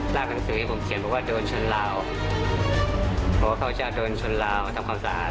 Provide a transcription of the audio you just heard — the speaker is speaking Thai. ลากหนังสือให้ผมเขียนว่าเดินชนลาวเขาก็จะเดินชนลาวทำความสะอาด